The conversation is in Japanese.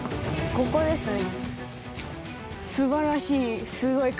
ここですね。